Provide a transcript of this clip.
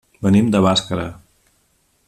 Venim de Bàscara.